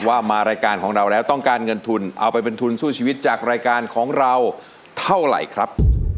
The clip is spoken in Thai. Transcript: ว่ามารายการของเราแล้วต้องการเงินทุนเอาไปเป็นทุนสู้ชีวิตจากรายการของเราเท่าไหร่ครับ